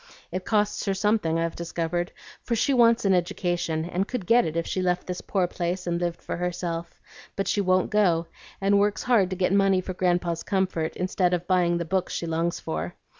It costs her something, I've discovered, for she wants an education, and could get it if she left this poor place and lived for herself; but she won't go, and works hard to get money for Grandpa's comfort, instead of buying the books she longs for.